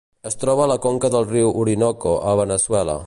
Es troba a la conca del riu Orinoco a Veneçuela.